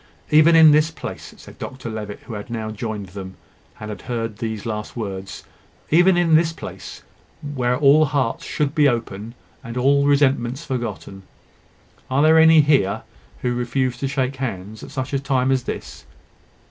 "Even in this place," said Dr Levitt, who had now joined them, and had heard the last words: "even in this place, where all hearts should be open, and all resentments forgotten. Are there any here who refuse to shake hands at such a time as this?"